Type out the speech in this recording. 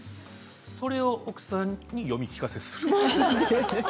それを奥さんに読み聞かせする。